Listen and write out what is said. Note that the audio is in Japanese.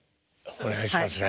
お願いしますね。